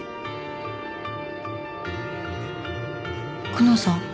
久能さん？